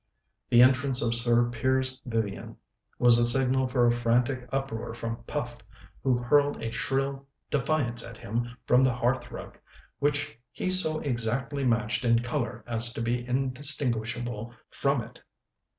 The entrance of Sir Piers Vivian was the signal for a frantic uproar from Puff, who hurled a shrill defiance at him from the hearth rug, which he so exactly matched in colour as to be indistinguishable from it.